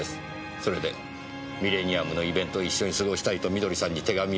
それでミレニアムのイベントを一緒に過ごしたいと美登里さんに手紙を出した。